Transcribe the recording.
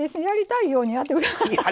やりたいようにやって下さい。